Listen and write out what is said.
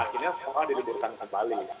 akhirnya sekolah diliburkan kembali